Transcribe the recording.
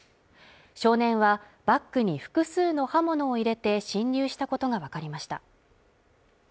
少年はバッグに複数の刃物を入れて侵入したことがわかりました。